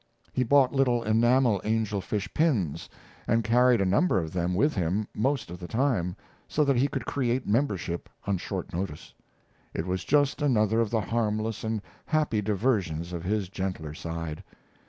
He bought little enamel angel fish pins, and carried a number of them with him most of the time, so that he could create membership on short notice. It was just another of the harmless and happy diversions of his gentler side.